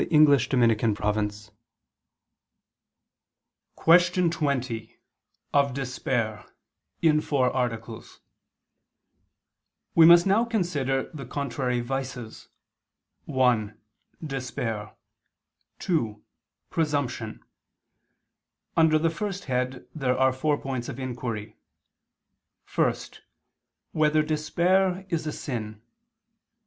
_______________________ QUESTION 20 OF DESPAIR (In Four Articles) We must now consider the contrary vices; (1) despair; (2) presumption. Under the first head there are four points of inquiry: (1) Whether despair is a sin?